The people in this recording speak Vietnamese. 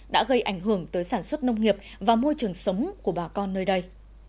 đã gây ảnh hưởng tới sản xuất nông nghiệp và môi trường sống của bà con nơi đây